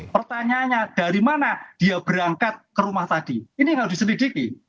pertanyaannya dari mana dia berangkat ke rumah tadi ini harus diselidiki